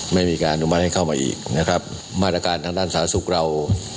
ไม่มีการอนุมัติให้เข้ามาอีกนะครับมาตรการทางด้านสาธารณสุขเรา